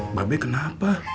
mbak be kenapa